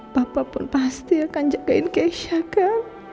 papa pun pasti akan jagain keisha kan